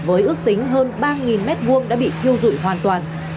với ước tính hơn ba m hai đã bị thiêu dụi hoàn toàn